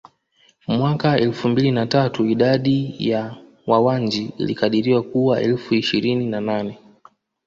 Mwaka elfu mbili na tatu idadi ya Wawanji ilikadiriwa kuwa elfu ishirini na nane